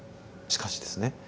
しかしですね